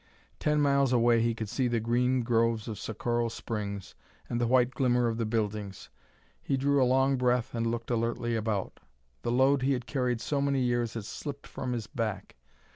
Ten miles away he could see the green groves of Socorro Springs and the white glimmer of the buildings. He drew a long breath and looked alertly about. The load he had carried so many years had slipped from his back.